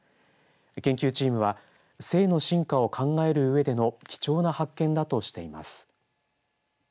研究チームは性の進化を考えるうえでの貴重な発見だとしています。